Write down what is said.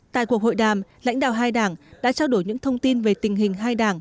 tại cuộc hội đàm lãnh đạo hai đảng đã trao đổi những thông tin về tình hình hai đảng